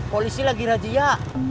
polisi lagi rajia